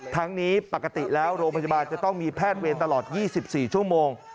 ทั้งนี้ปกติแล้วโรงพยาบาลจะต้องมีแพทย์เวรตลอด๒๔ชั่วโมง